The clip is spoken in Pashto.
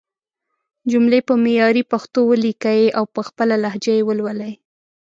جملې په معياري پښتو وليکئ او په خپله لهجه يې ولولئ!